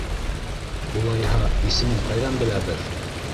Улайһа, исемен ҡайҙан беләбеҙ?